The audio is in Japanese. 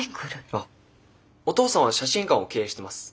あっお父さんは写真館を経営してます。